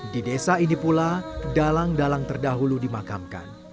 di desa ini pula dalang dalang terdahulu dimakamkan